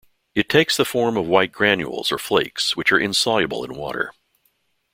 It takes the form of white granules or flakes, which are insoluble in water.